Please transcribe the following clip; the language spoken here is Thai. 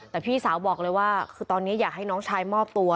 แต่พี่สาวบอกเลยว่าคือตอนนี้อยากให้น้องชายมอบตัว